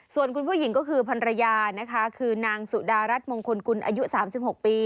ส่วนคุณผู้หญิงก็คือภรรยานะคะคือนางสุดารัฐมงคลกุลอายุ๓๖ปี